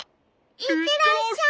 いってらっしゃい！